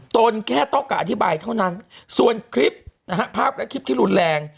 ตนแค่ต้องการอธิบายเท่านั้นส่วนคลิปนะฮะภาพและคลิปที่รุนแรง